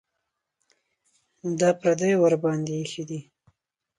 د پردیو ورباندې ایښي دي.